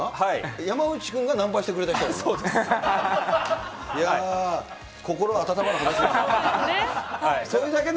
山内君がナンパしてくれた人なの？